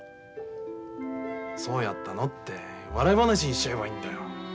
「そうやったの」って笑い話にしちゃえばいいんだよ。